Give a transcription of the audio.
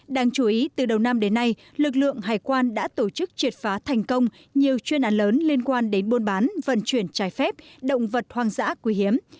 đáng chú ý từ đầu năm đến nay lực lượng hải quan đã tổ chức triệt phá thành công nhiều chuyên án lớn liên quan đến buôn bán vận chuyển trái phép động vật hoang dã quý hiếm